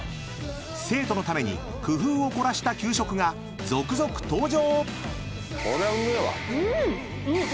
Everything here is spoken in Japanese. ［生徒のために工夫を凝らした給食が続々登場！］